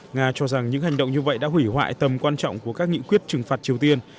nga cho rằng những hành động như vậy đã hủy hoại tầm quan trọng của các nghị quyết trừng phạt triều tiên